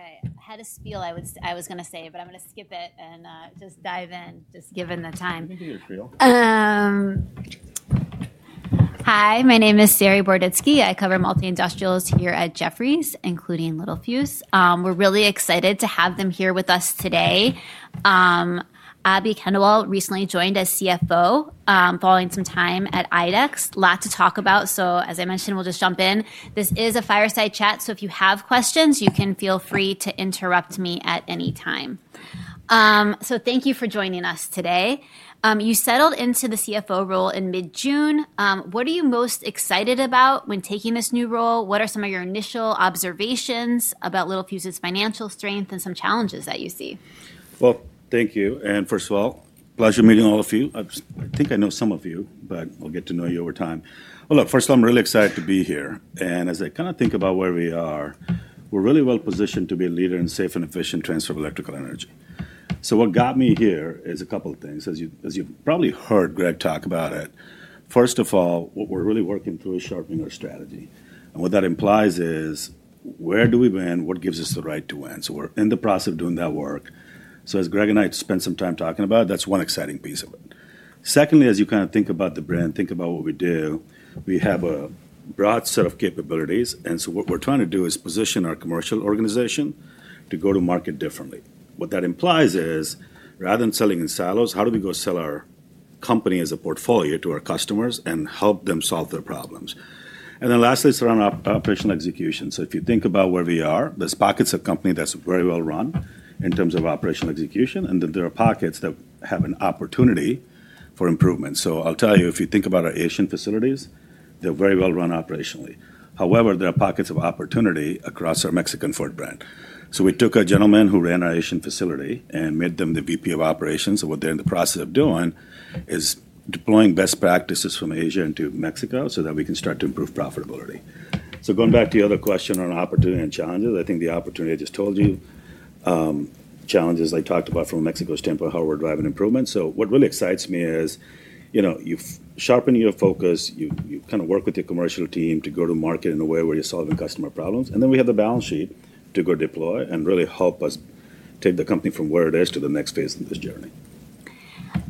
Okay, I had a spiel I was going to say, but I'm going to skip it and just dive in, just given the time. Give me your spiel. Hi, my name is Sari Borditzky. I cover multi-industrials here at Jefferies, including Littelfuse. We're really excited to have them here with us today. Abhi Khandelwal recently joined as CFO following some time at IDEX. A lot to talk about. As I mentioned, we'll just jump in. This is a fireside chat. If you have questions, you can feel free to interrupt me at any time. Thank you for joining us today. You settled into the CFO role in mid-June. What are you most excited about when taking this new role? What are some of your initial observations about Littelfuse's financial strength and some challenges that you see? Thank you. First of all, pleasure meeting all of you. I think I know some of you, but I'll get to know you over time. I'm really excited to be here. As I kind of think about where we are, we're really well positioned to be a leader in safe and efficient transfer of electrical energy. What got me here is a couple of things. As you've probably heard Greg talk about it, first of all, what we're really working through is sharpening our strategy. What that implies is, where do we win? What gives us the right to win? We're in the process of doing that work. As Greg and I spent some time talking about it, that's one exciting piece of it. Secondly, as you kind of think about the brand, think about what we do, we have a broad set of capabilities. What we're trying to do is position our commercial organization to go to market differently. What that implies is, rather than selling in silos, how do we go sell our company as a portfolio to our customers and help them solve their problems? Lastly, it's around operational execution. If you think about where we are, there are pockets of the company that are very well run in terms of operational execution, and then there are pockets that have an opportunity for improvement. If you think about our Asian facilities, they're very well run operationally. However, there are pockets of opportunity across our Mexican footprint. We took a gentleman who ran our Asian facility and made them the VP of Operations. What they're in the process of doing is deploying best practices from Asia into Mexico so that we can start to improve profitability. Going back to your other question on opportunity and challenges, I think the opportunity I just told you, challenges I talked about from a Mexico standpoint, how we're driving improvement. What really excites me is, you've sharpened your focus, you kind of work with the commercial team to go to market in a way where you're solving customer problems. We have the balance sheet to go deploy and really help us take the company from where it is to the next phase of this journey.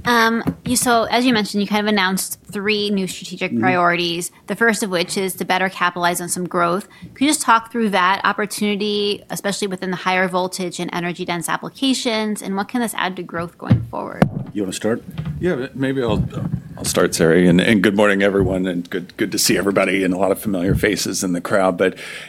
As you mentioned, you kind of announced three new strategic priorities, the first of which is to better capitalize on some growth. Can you just talk through that opportunity, especially within the higher voltage and energy-dense applications? What can this add to growth going forward? You want to start? Yeah, maybe I'll start, Sari. Good morning, everyone. Good to see everybody and a lot of familiar faces in the crowd.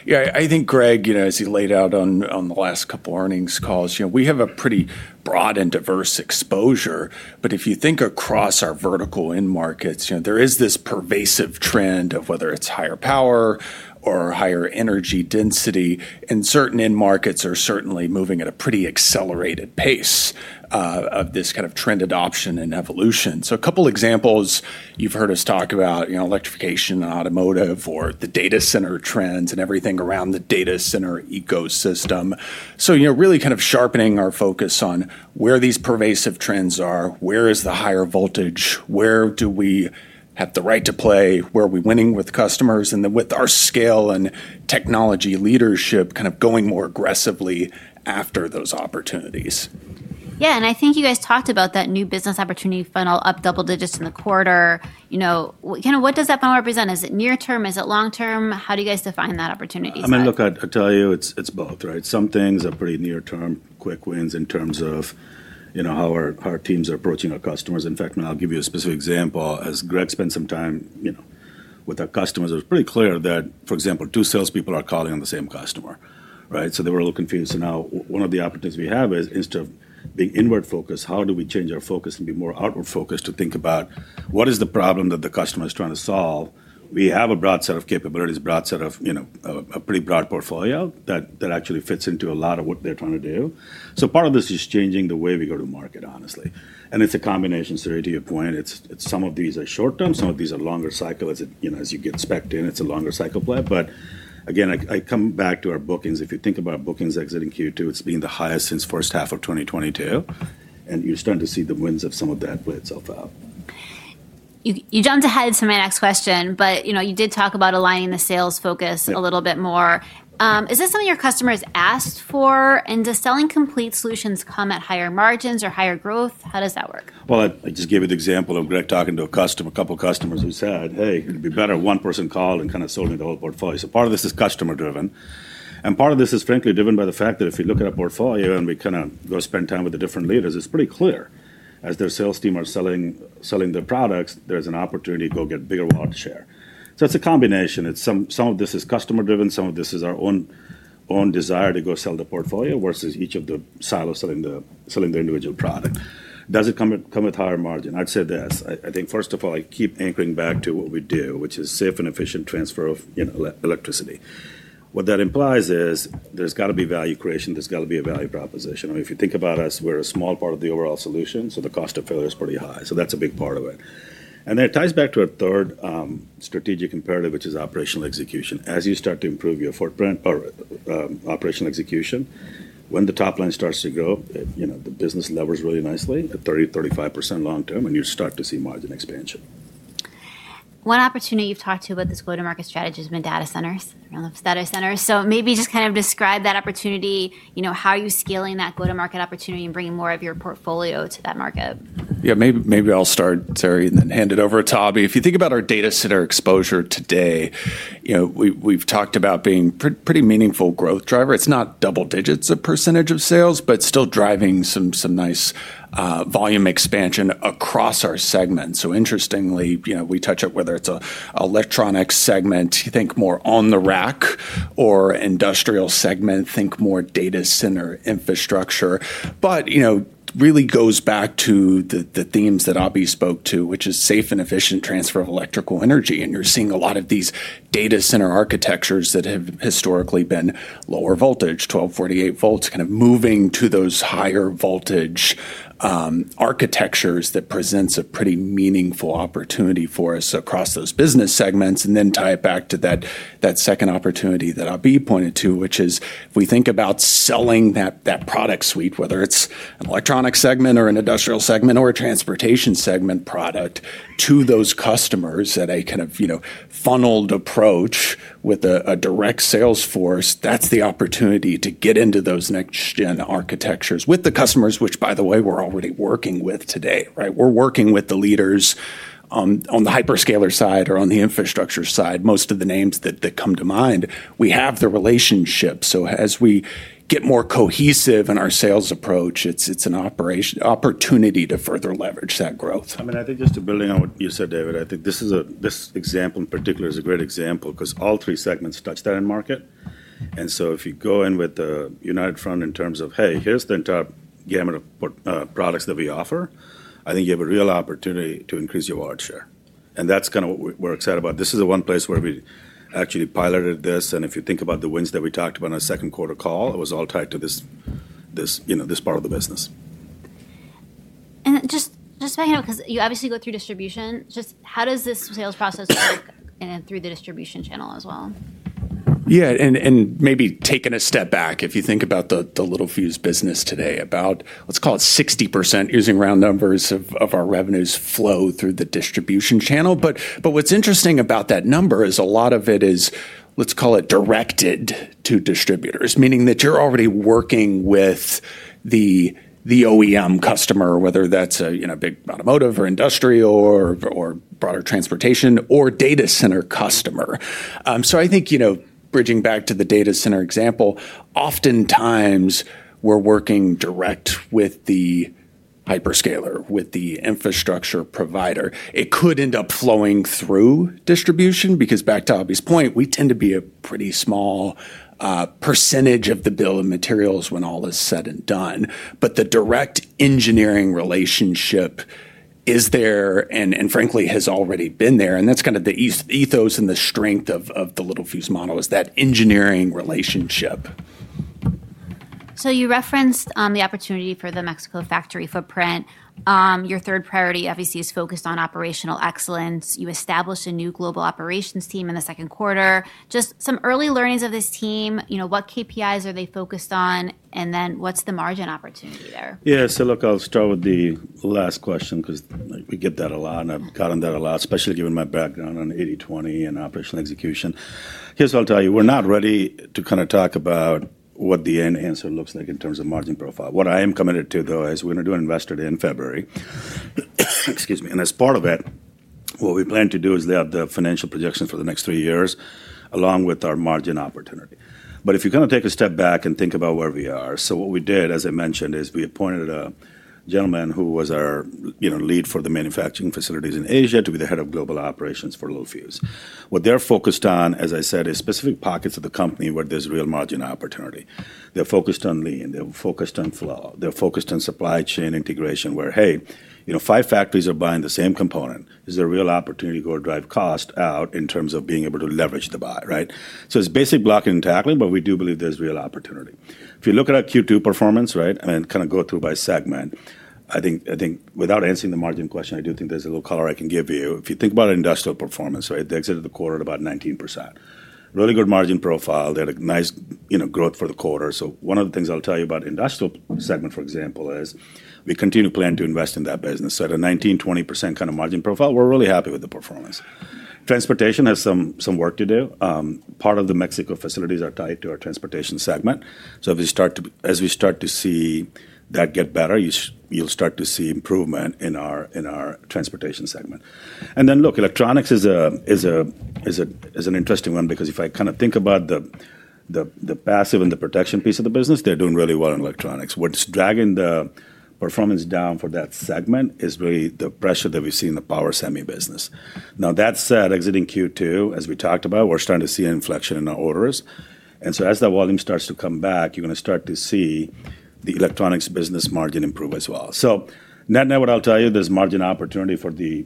I think Greg, as he laid out on the last couple of earnings calls, we have a pretty broad and diverse exposure. If you think across our vertical end markets, there is this pervasive trend of whether it's higher power or higher energy density. Certain end markets are certainly moving at a pretty accelerated pace of this kind of trend adoption and evolution. A couple of examples you've heard us talk about are electrification in automotive or the data center trends and everything around the data center ecosystem. Really kind of sharpening our focus on where these pervasive trends are, where is the higher voltage, where do we have the right to play, where are we winning with customers, and with our scale and technology leadership, going more aggressively after those opportunities. I think you guys talked about that new business opportunity funnel up double digits in the quarter. You know, what does that funnel represent? Is it near term? Is it long term? How do you guys define that opportunity? I'm going to look at it and tell you it's both, right? Some things are pretty near term, quick wins in terms of how our teams are approaching our customers. In fact, I'll give you a specific example. As Greg spent some time with our customers, it was pretty clear that, for example, two salespeople are calling on the same customer, right? They were a little confused. Now one of the opportunities we have is, instead of being inward focused, how do we change our focus and be more outward focused to think about what is the problem that the customer is trying to solve? We have a broad set of capabilities, a broad set of, you know, a pretty broad portfolio that actually fits into a lot of what they're trying to do. Part of this is changing the way we go to market, honestly. It's a combination, Saree, to your point. Some of these are short term, some of these are longer cycles. You know, as you get specced in, it's a longer cycle plan. I come back to our bookings. If you think about bookings exiting Q2, it's been the highest since first half of 2022. You're starting to see the wins of some of that play itself out. You jumped ahead to my next question, but you know, you did talk about aligning the sales focus a little bit more. Is this something your customers asked for? Does selling complete solutions come at higher margins or higher growth? How does that work? I just gave an example of Greg talking to a customer, a couple of customers who said, "Hey, could it be better if one person called and kind of sold me the whole portfolio?" Part of this is customer-driven. Part of this is strengthened driven by the fact that if you look at our portfolio and we kind of go spend time with the different leaders, it's pretty clear as their sales team are selling their products, there's an opportunity to go get bigger watershare. It's a combination. Some of this is customer-driven, some of this is our own desire to go sell the portfolio versus each of the silos selling the individual product. Does it come with higher margin? I'd say this. I think first of all, I keep anchoring back to what we do, which is safe and efficient transfer of electricity. What that implies is there's got to be value creation, there's got to be a value proposition. I mean, if you think about us, we're a small part of the overall solution, so the cost of failure is pretty high. That's a big part of it. It ties back to our third strategic imperative, which is operational execution. As you start to improve your footprint, operational execution, when the top line starts to grow, you know, the business levers really nicely to 30%-35% long term, and you start to see margin expansion. One opportunity you've talked about with this go-to-market strategy has been data centers. I love data centers. Maybe just describe that opportunity, you know, how are you scaling that go-to-market opportunity and bringing more of your portfolio to that market? Yeah, maybe I'll start, Saree, and then hand it over to Abhi. If you think about our data center exposure today, we've talked about being a pretty meaningful growth driver. It's not double digits of percentage of sales, but still driving some nice volume expansion across our segments. Interestingly, we touch up whether it's an electronics segment, you think more on the rack, or industrial segment, think more data center infrastructure. It really goes back to the themes that Abby spoke to, which is safe and efficient transfer of electrical energy. You're seeing a lot of these data center architectures that have historically been lower voltage, 12 V, 48 V, kind of moving to those higher voltage architectures that presents a pretty meaningful opportunity for us across those business segments. Tie it back to that second opportunity that Abby pointed to, which is if we think about selling that product suite, whether it's an electronics segment or an industrial segment or a transportation segment product to those customers at a kind of funneled approach with a direct sales force, that's the opportunity to get into those next-gen architectures with the customers, which, by the way, we're already working with today, right? We're working with the leaders on the hyperscaler side or on the infrastructure side, most of the names that come to mind. We have the relationship. As we get more cohesive in our sales approach, it's an opportunity to further leverage that growth. I mean, I think just to build on what you said, David, I think this example in particular is a great example because all three segments touch that end market. If you go in with the united front in terms of, hey, here's the entire gamut of products that we offer, I think you have a real opportunity to increase your watershare. That's kind of what we're excited about. This is the one place where we actually piloted this. If you think about the wins that we talked about in our second quarter call, it was all tied to this, this part of the business. Just backing up, because you obviously go through distribution, how does this sales process look through the distribution channel as well? Yeah, and maybe taking a step back, if you think about the Littelfuse business today, about, let's call it, 60% using round numbers of our revenues flow through the distribution channel. What's interesting about that number is a lot of it is, let's call it, directed to distributors, meaning that you're already working with the OEM customer, whether that's a big automotive or industrial or broader transportation or data center customer. I think, you know, bridging back to the data center example, oftentimes we're working direct with the hyperscaler, with the infrastructure provider. It could end up flowing through distribution because, back to Abby's point, we tend to be a pretty small percentage of the bill of materials when all is said and done. The direct engineering relationship is there and frankly has already been there. That's kind of the ethos and the strength of the Littelfuse model is that engineering relationship. You referenced the opportunity for the Mexico factory footprint. Your third priority obviously is focused on operational excellence. You established a new global operations team in the second quarter. Just some early learnings of this team, what KPIs are they focused on? What's the margin opportunity there? Yeah, so look, I'll start with the last question because we get that a lot and I've gotten that a lot, especially given my background on 80-20 and operational execution. Here's what I'll tell you. We're not ready to kind of talk about what the end answer looks like in terms of margin profile. What I am committed to, though, is we're going to do an investor in February. Excuse me. As part of it, what we plan to do is the financial projections for the next three years, along with our margin opportunity. If you kind of take a step back and think about where we are, what we did, as I mentioned, is we appointed a gentleman who was our lead for the manufacturing facilities in Asia to be the Head of Global Operations for Littelfuse. What they're focused on, as I said, is specific pockets of the company where there's real margin opportunity. They're focused on lean processes, they're focused on flow, they're focused on supply chain integration where, hey, you know, five factories are buying the same component. Is there a real opportunity to go drive cost out in terms of being able to leverage the buy, right? It's basic blocking and tackling, but we do believe there's real opportunity. If you look at our Q2 performance and kind of go through by segment, I think without answering the margin question, I do think there's a little color I can give you. If you think about industrial performance, they exited the quarter at about 19%. Really good margin profile. They had a nice growth for the quarter. One of the things I'll tell you about the industrial segment, for example, is we continue planning to invest in that business. At a 19%-20% kind of margin profile, we're really happy with the performance. Transportation has some work to do. Part of the Mexico facilities are tied to our transportation segment. As we start to see that get better, you'll start to see improvement in our transportation segment. Electronics is an interesting one because if I kind of think about the passive and the protection piece of the business, they're doing really well in electronics. What's dragging the performance down for that segment is really the pressure that we see in the power semiconductor business. That said, exiting Q2, as we talked about, we're starting to see an inflection in our orders. As that volume starts to come back, you're going to start to see the electronics business margin improve as well. Net net, what I'll tell you, there's margin opportunity for the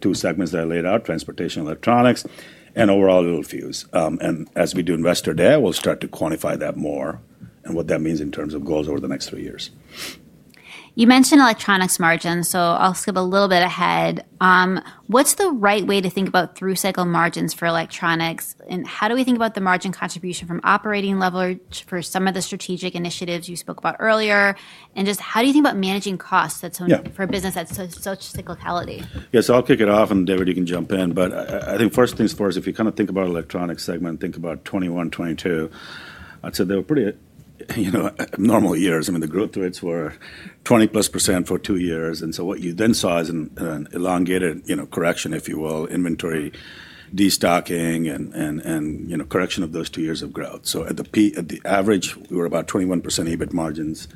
two segments that I laid out: transportation and electronics, and overall Littelfuse. As we do investor there, we'll start to quantify that more and what that means in terms of goals over the next three years. You mentioned electronics margins, so I'll skip a little bit ahead. What's the right way to think about through cycle margins for electronics? How do we think about the margin contribution from operating leverage for some of the strategic initiatives you spoke about earlier? How do you think about managing costs for a business at such cyclicality? Yeah, so I'll kick it off and David, you can jump in. I think first things first, if you kind of think about the electronics segment, think about 2021, 2022, I'd say they were pretty, you know, normal years. I mean, the growth rates were 20+% for two years. What you then saw is an elongated, you know, correction, if you will, inventory destocking and, you know, correction of those two years of growth. At the average, we were about 21% EBITDA margins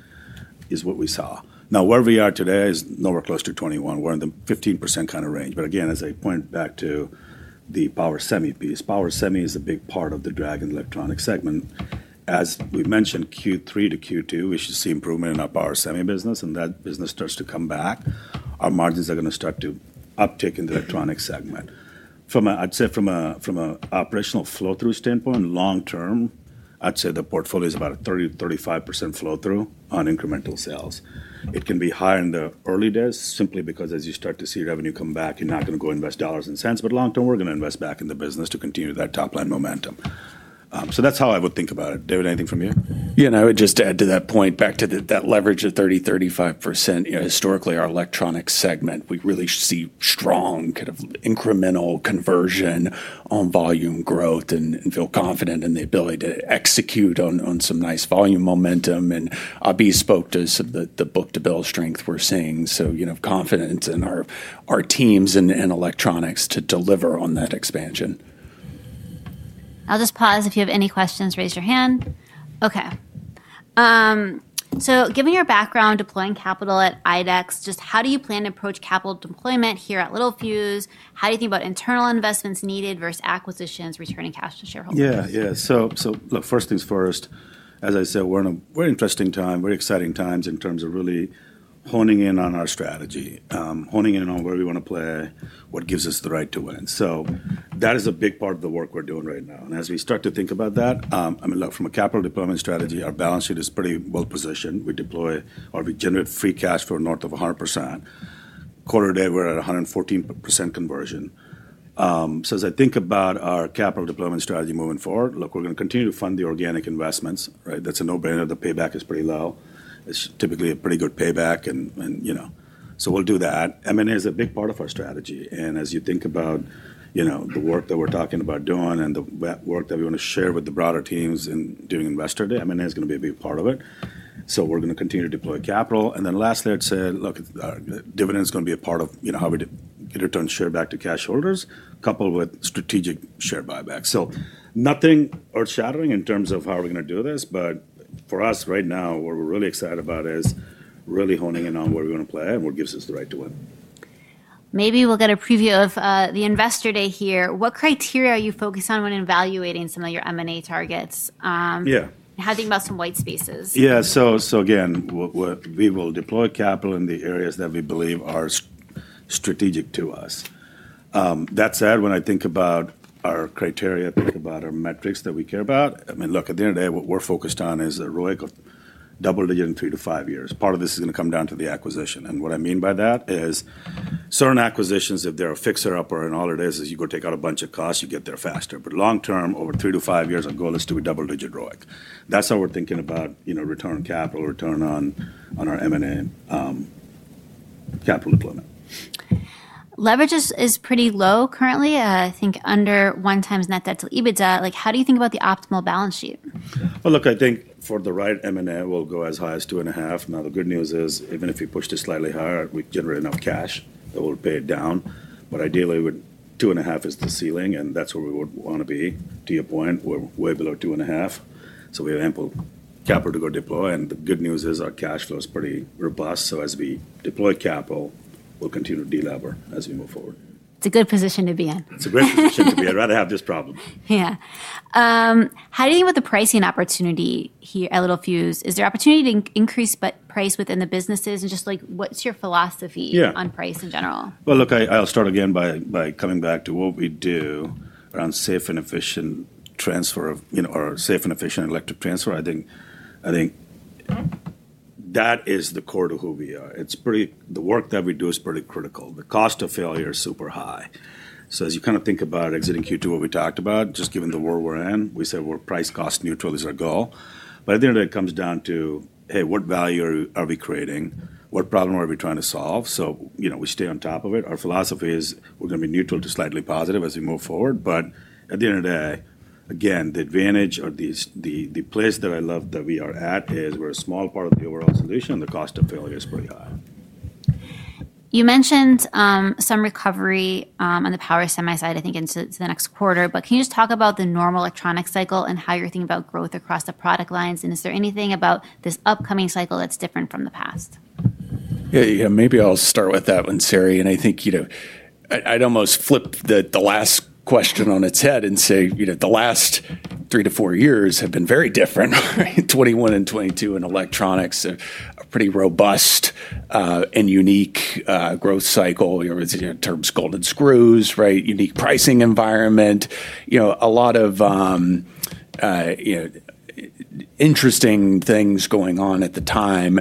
is what we saw. Now where we are today is nowhere close to 21%. We're in the 15% kind of range. Again, as I point back to the power semi piece, power semi is a big part of the drag in the electronics segment. As we mentioned, Q3 to Q2, we should see improvement in our power semi business. That business starts to come back. Our margins are going to start to uptick in the electronics segment. From a, I'd say from an operational flow-through standpoint, long term, I'd say the portfolio is about a 30%-35% flow-through on incremental sales. It can be higher in the early days simply because as you start to see revenue come back, you're not going to go invest dollars and cents. Long term, we're going to invest back in the business to continue that top line momentum. That's how I would think about it. David, anything from you? Yeah, I would just add to that point, back to that leverage of 30%-35%. Historically, our electronics segment, we really see strong kind of incremental conversion on volume growth and feel confident in the ability to execute on some nice volume momentum. Abhi spoke to some of the book-to-bill strength we're seeing. Confidence in our teams and electronics to deliver on that expansion. I'll just pause. If you have any questions, raise your hand. Okay. Given your background deploying capital at IDEX, how do you plan to approach capital deployment here at Littelfuse? How do you think about internal investments needed versus acquisitions, returning cash to shareholders? Yeah, yeah. First things first. As I said, we're in an interesting time, very exciting times in terms of really honing in on our strategy, honing in on where we want to play, what gives us the right to win. That is a big part of the work we're doing right now. As we start to think about that, from a capital deployment strategy, our balance sheet is pretty well positioned. We deploy or we generate free cash flow north of 100%. Quarter to date, we're at 114% conversion. As I think about our capital deployment strategy moving forward, we're going to continue to fund the organic investments, right? That's a no-brainer. The payback is pretty low. It's typically a pretty good payback, and we'll do that. M&A is a big part of our strategy. As you think about the work that we're talking about doing and the work that we want to share with the broader teams and doing investor day, M&A is going to be a big part of it. We're going to continue to deploy capital. Lastly, I'd say dividends are going to be a part of how we return share back to cash holders, coupled with strategic share buybacks. Nothing earth-shattering in terms of how we're going to do this. For us right now, what we're really excited about is really honing in on where we want to play and what gives us the right to win. Maybe we'll get a preview of the investor day here. What criteria are you focused on when evaluating some of your M&A targets? Yeah. How do you think about some white spaces? Yeah, so again, we will deploy capital in the areas that we believe are strategic to us. That said, when I think about our criteria, I think about our metrics that we care about. I mean, look, at the end of the day, what we're focused on is the ROIC of double-digit in three to five years. Part of this is going to come down to the acquisition. What I mean by that is certain acquisitions, if they're a fixer-upper, and all it is is you go take out a bunch of costs, you get there faster. Long term, over three to five years, our goal is to be double-digit ROIC. That's how we're thinking about, you know, return on capital, return on our M&A capital deployment. Leverage is pretty low currently. I think under 1x net debt to EBITDA. How do you think about the optimal balance sheet? I think for the right M&A, we'll go as high as 2.5. The good news is, even if we push this slightly higher, we generate enough cash that we'll pay it down. Ideally, 2.5 is the ceiling, and that's where we would want to be. To your point, we're way below 2.5, so we have ample capital to go deploy. The good news is our cash flow is pretty robust. As we deploy capital, we'll continue to delever as we move forward. It's a good position to be in. It's a great position to be in. I'd rather have this problem. How do you think about the pricing opportunity here at Littelfuse? Is there opportunity to increase price within the businesses? What's your philosophy on price in general? I'll start again by coming back to what we do around safe and efficient transfer of, you know, or safe and efficient electric transfer. I think that is the core to who we are. The work that we do is pretty critical. The cost of failure is super high. As you kind of think about exiting Q2, what we talked about, just given the world we're in, we said we're price-cost neutral is our goal. At the end of the day, it comes down to, hey, what value are we creating? What problem are we trying to solve? You know, we stay on top of it. Our philosophy is we're going to be neutral to slightly positive as we move forward. At the end of the day, again, the advantage or the place that I love that we are at is we're a small part of the overall solution, and the cost of failure is pretty high. You mentioned some recovery on the power semiconductor side, I think, into the next quarter. Can you just talk about the normal electronics cycle and how you're thinking about growth across the product lines? Is there anything about this upcoming cycle that's different from the past? Yeah, maybe I'll start with that one, Saree. I think I'd almost flip the last question on its head and say the last three to four years have been very different. 2021 and 2022 in electronics, a pretty robust and unique growth cycle in terms of golden screws, right? Unique pricing environment, a lot of interesting things going on at the time.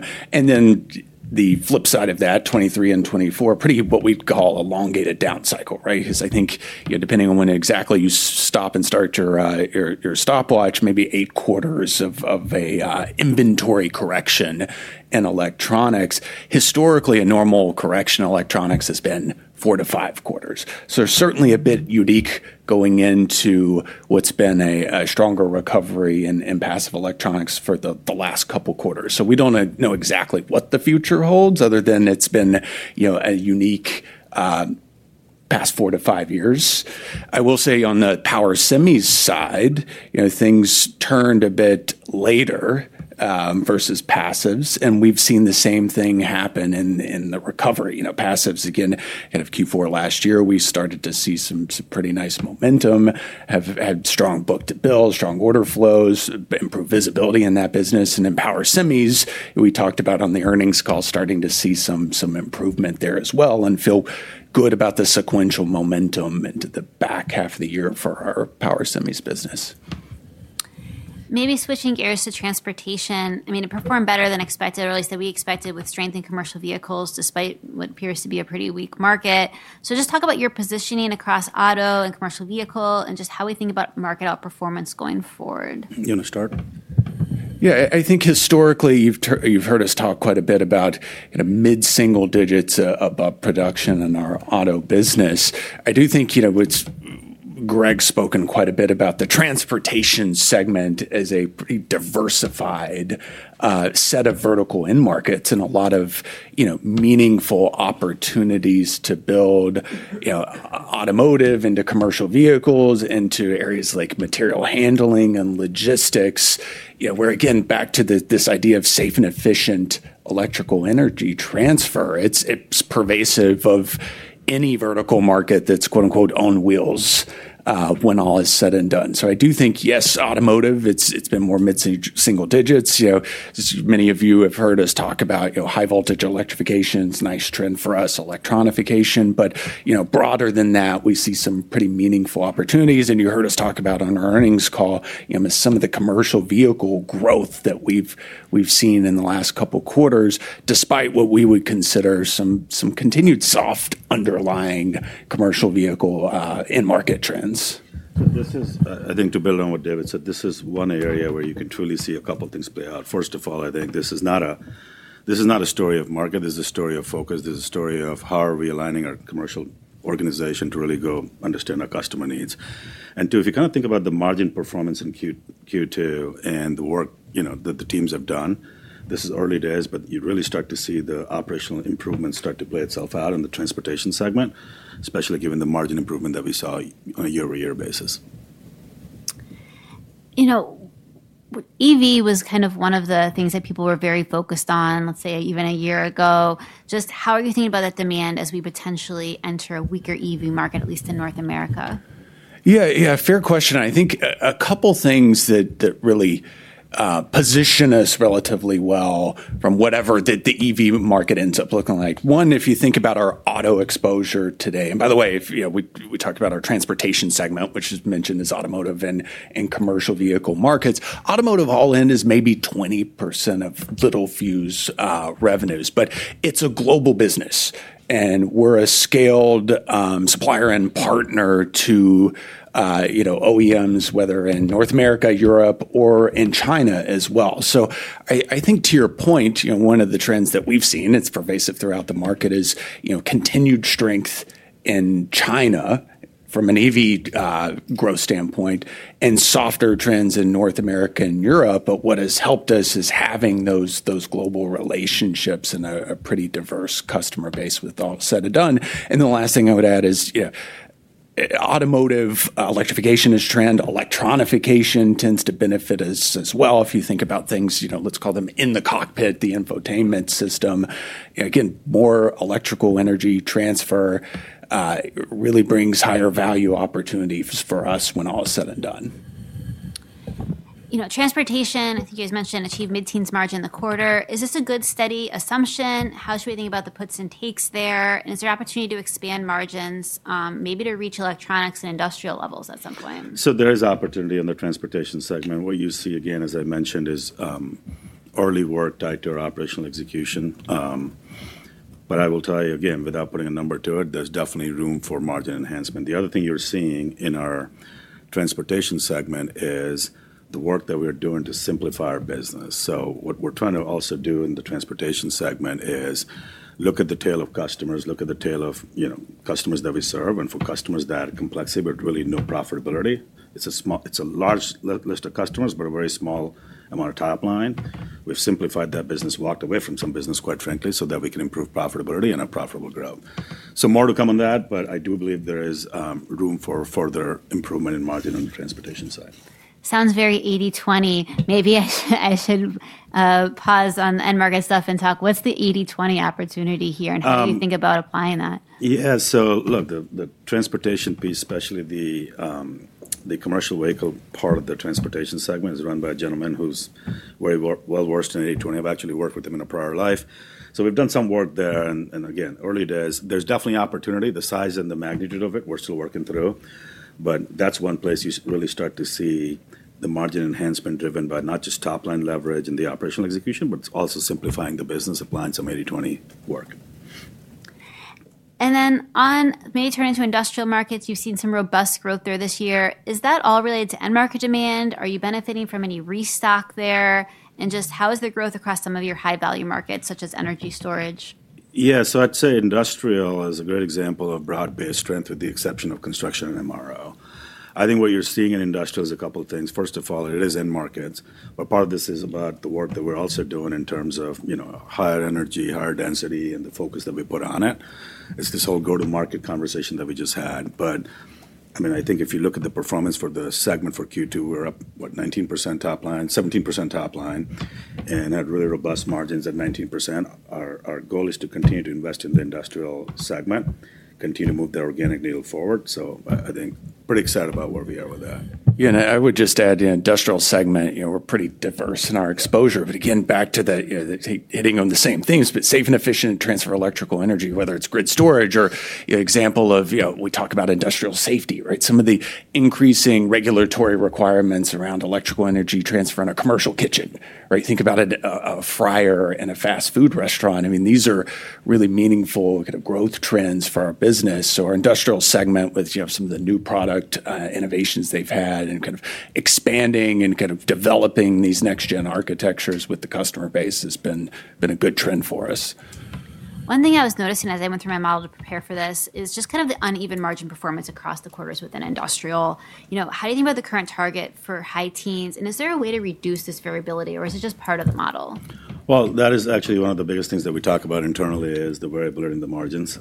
The flip side of that, 2023 and 2024, pretty what we call elongated down cycle, right? I think depending on when exactly you stop and start your stopwatch, maybe eight quarters of an inventory correction in electronics. Historically, a normal correction in electronics has been four to five quarters. It's certainly a bit unique going into what's been a stronger recovery in passive electronics for the last couple of quarters. We don't know exactly what the future holds other than it's been a unique past four to five years. I will say on the power semi side, things turned a bit later versus passives. We've seen the same thing happen in the recovery. Passives again, end of Q4 last year, we started to see some pretty nice momentum, have had strong book-to-bill, strong order flows, improved visibility in that business. In power semis, we talked about on the earnings call, starting to see some improvement there as well and feel good about the sequential momentum into the back half of the year for our power semis business. Maybe switching gears to transportation. It performed better than expected, or at least that we expected, with strength in commercial vehicles despite what appears to be a pretty weak market. Just talk about your positioning across auto and commercial vehicle and how we think about market outperformance going forward. You want to start? I think historically you've heard us talk quite a bit about kind of mid-single digits above production in our auto business. I do think Greg's spoken quite a bit about the transportation segment as a pretty diversified set of vertical end markets and a lot of meaningful opportunities to build automotive into commercial vehicles, into areas like material handling and logistics, where again, back to this idea of safe and efficient electrical energy transfer, it's pervasive of any vertical market that's quote unquote on wheels when all is said and done. I do think, yes, automotive, it's been more mid-single digits. Many of you have heard us talk about high voltage electrification is a nice trend for us, electrification. Broader than that, we see some pretty meaningful opportunities. You heard us talk about on our earnings call some of the commercial vehicle growth that we've seen in the last couple of quarters, despite what we would consider some continued soft underlying commercial vehicle end market trends. I think to build on what David said, this is one area where you can truly see a couple of things play out. First of all, I think this is not a story of market. This is a story of focus. This is a story of how are we aligning our commercial organization to really go understand our customer needs. If you kind of think about the margin performance in Q2 and the work that the teams have done, this is early days, but you really start to see the operational improvements start to play itself out in the transportation segment, especially given the margin improvement that we saw on a year-over-year basis. You know, EV was kind of one of the things that people were very focused on, let's say, even a year ago. Just how are you thinking about that demand as we potentially enter a weaker EV market, at least in North America? Yeah, fair question. I think a couple of things that really position us relatively well from whatever the EV market ends up looking like. One, if you think about our auto exposure today, and by the way, we talked about our transportation segment, which is mentioned as automotive and commercial vehicle markets. Automotive all-in is maybe 20% of Littelfuse revenues, but it's a global business. We're a scaled supplier and partner to OEMs, whether in North America, Europe, or in China as well. I think to your point, one of the trends that we've seen, it's pervasive throughout the market, is continued strength in China from an EV growth standpoint and softer trends in North America and Europe. What has helped us is having those global relationships and a pretty diverse customer base with all said and done. The last thing I would add is, automotive electrification is trend. Electrification tends to benefit us as well. If you think about things, let's call them in the cockpit, the infotainment system. Again, more electrical energy transfer really brings higher value opportunities for us when all is said and done. You know, transportation, I think you guys mentioned achieved mid-teens margin in the quarter. Is this a good steady assumption? How should we think about the puts and takes there? Is there opportunity to expand margins, maybe to reach electronics and industrial levels at some point? There is opportunity in the transportation segment. What you see, again, as I mentioned, is early work tied to our operational execution. I will tell you, again, without putting a number to it, there's definitely room for margin enhancement. The other thing you're seeing in our transportation segment is the work that we're doing to simplify our business. What we're trying to also do in the transportation segment is look at the tail of customers, look at the tail of customers that we serve. For customers that have complexity, but really no profitability, it's a large list of customers, but a very small amount of top line. We've simplified that business, walked away from some business, quite frankly, so that we can improve profitability and our profitable growth. More to come on that, but I do believe there is room for further improvement in margin on the transportation side. Sounds very 80-20. Maybe I should pause on end market stuff and talk. What's the 80-20 opportunity here, and how do you think about applying that? Yeah, so look, the transportation piece, especially the commercial vehicle part of the transportation segment, is run by a gentleman who's well versed in 80-20. I've actually worked with him in a prior life. We've done some work there. Again, early days, there's definitely opportunity. The size and the magnitude of it, we're still working through. That's one place you really start to see the margin enhancement driven by not just top line leverage and the operational execution, but it's also simplifying the business, applying some 80-20 work. On the major industrial markets, you've seen some robust growth there this year. Is that all related to end market demand? Are you benefiting from any restock there? Just how is the growth across some of your high-value markets, such as energy storage? Yeah, I'd say industrial is a good example of broad-based strength with the exception of construction and MRO. I think what you're seeing in industrial is a couple of things. First of all, it is end markets, but part of this is about the work that we're also doing in terms of higher energy, higher density, and the focus that we put on it. It's this whole go-to-market conversation that we just had. I think if you look at the performance for the segment for Q2, we're up, what, 19% top line, 17% top line, and had really robust margins at 19%. Our goal is to continue to invest in the industrial segment, continue to move the organic needle forward. I think pretty excited about where we are with that. Yeah, and I would just add the industrial segment, you know, we're pretty diverse in our exposure. Again, back to the hitting on the same things, but safe and efficient transfer of electrical energy, whether it's grid storage or an example of, you know, we talk about industrial safety, right? Some of the increasing regulatory requirements around electrical energy transfer in a commercial kitchen, right? Think about a fryer in a fast food restaurant. I mean, these are really meaningful kind of growth trends for our business. Our industrial segment with some of the new product innovations they've had and kind of expanding and kind of developing these next-gen architectures with the customer base has been a good trend for us. One thing I was noticing as I went through my model to prepare for this is just kind of the uneven margin performance across the quarters within industrial. How do you think about the current target for high teens? Is there a way to reduce this variability or is it just part of the model? That is actually one of the biggest things that we talk about internally, the variability in the margins.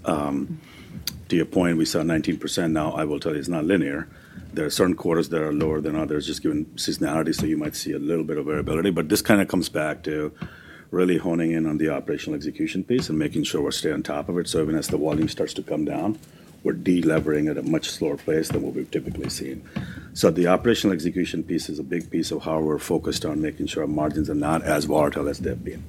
To your point, we saw 19%. I will tell you, it's not linear. There are certain quarters that are lower than others, just given seasonality. You might see a little bit of variability. This kind of comes back to really honing in on the operational execution piece and making sure we're staying on top of it. Even as the volume starts to come down, we're delevering at a much slower pace than what we've typically seen. The operational execution piece is a big piece of how we're focused on making sure our margins are not as volatile as they've been.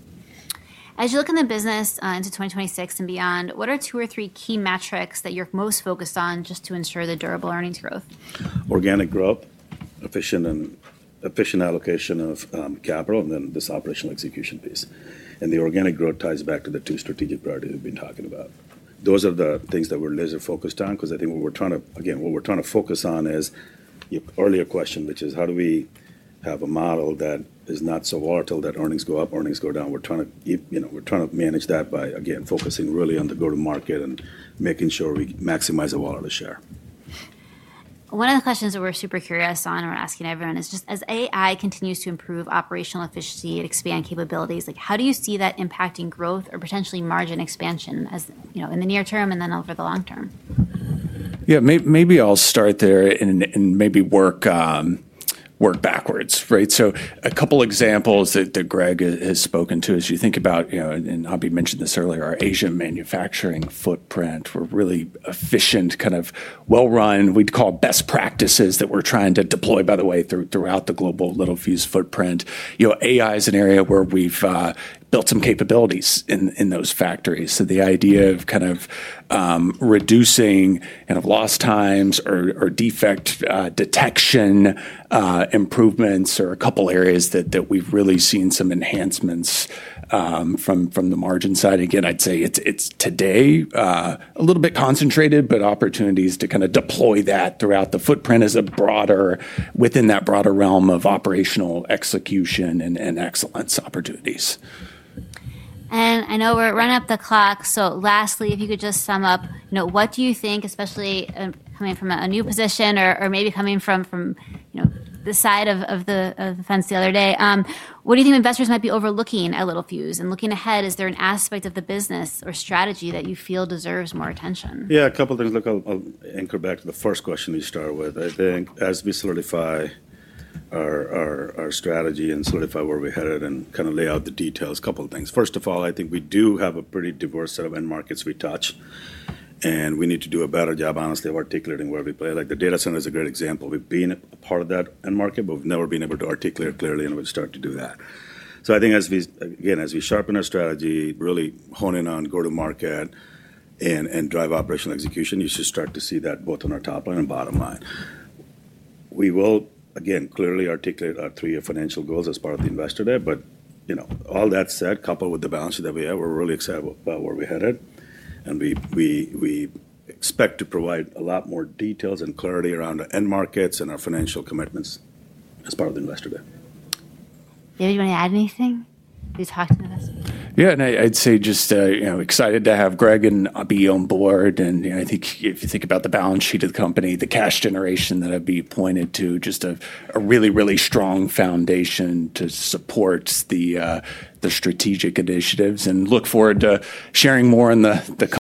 As you look in the business into 2026 and beyond, what are two or three key metrics that you're most focused on just to ensure the durable earnings growth? Organic growth, efficient allocation of capital, and this operational execution piece. The organic growth ties back to the two strategic priorities we've been talking about. Those are the things that we're laser-focused on because what we're trying to focus on is your earlier question, which is how do we have a model that is not so volatile, that earnings go up, earnings go down. We're trying to manage that by focusing really on the go-to-market and making sure we maximize our volatile share. One of the questions that we're super curious on and we're asking everyone is just as AI continues to improve operational efficiency and expand capabilities, how do you see that impacting growth or potentially margin expansion in the near term and then over the long term? Maybe I'll start there and work backwards, right? A couple of examples that Greg has spoken to is you think about, you know, and Abhi mentioned this earlier, our Asia manufacturing footprint. We're really efficient, kind of well-run. We'd call best practices that we're trying to deploy, by the way, throughout the global Littelfuse footprint. AI is an area where we've built some capabilities in those factories. The idea of kind of reducing lost times or defect detection improvements are a couple of areas that we've really seen some enhancements from the margin side. Again, I'd say it's today a little bit concentrated, but opportunities to deploy that throughout the footprint is a broader, within that broader realm of operational execution and excellence opportunities. I know we're running up the clock. Lastly, if you could just sum up, what do you think, especially coming from a new position or maybe coming from the side of the fence the other day, what do you think investors might be overlooking at Littelfuse? Looking ahead, is there an aspect of the business or strategy that you feel deserves more attention? Yeah, a couple of things. Look, I'll anchor back to the first question we started with. I think as we solidify our strategy and solidify where we're headed and lay out the details, a couple of things. First of all, I think we do have a pretty diverse set of end markets we touch, and we need to do a better job, honestly, of articulating where we play. Like the data center is a great example. We've been a part of that end market, but we've never been able to articulate clearly and we've started to do that. I think as we, again, as we sharpen our strategy, really hone in on go-to-market and drive operational execution, you should start to see that both on our top line and bottom line. We will, again, clearly articulate our three-year financial goals as part of the investor day. All that said, coupled with the balance sheet that we have, we're really excited about where we're headed. We expect to provide a lot more details and clarity around the end markets and our financial commitments as part of the investor day. David, do you want to add anything? Please talk to me. Yeah, I'd say just excited to have Greg and Abhi on board. I think if you think about the balance sheet of the company, the cash generation that Abhi pointed to, it's just a really, really strong foundation to support the strategic initiatives. I look forward to sharing more in the.